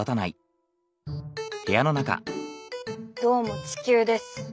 どうも地球です。